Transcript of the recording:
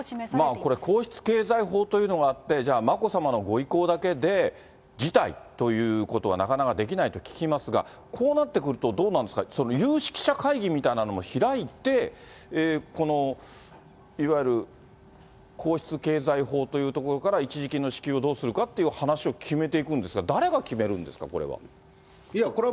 これ、皇室経済法というのがあって、じゃあ眞子さまのご意向だけで辞退ということはなかなかできないと聞きますが、こうなってくると、どうなんですか、その有識者会議みたいなのも開いて、このいわゆる皇室経済法というところから一時金の支給をどうするかっていう話を決めていくんですか、誰が決めるんですか、これは。